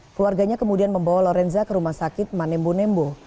keluarganya kemudian membawa lorenza ke rumah sakit manembo nembo